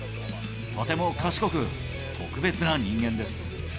とても賢く、特別な人間です。